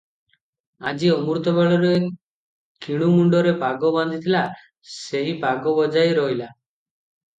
ଆଜି ଅମୃତବେଳରେ କିଣୁ ମୁଣ୍ଡରେ ପାଗ ବାନ୍ଧିଥିଲା, ସେହି ପାଗ ବଜାଏ ରହିଲା